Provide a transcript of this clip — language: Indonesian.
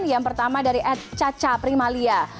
yang pertama dari ed caca primalia